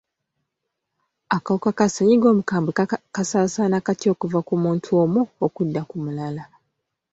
Akawuka ka ssenyiga omukambwe kasaasaana katya okuva ku muntu omu okudda ku mulala?